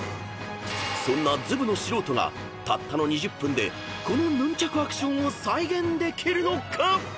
［そんなずぶの素人がたったの２０分でこのヌンチャクアクションを再現できるのか？］